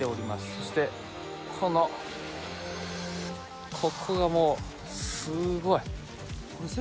そしてこのここがもうすごいえーっ？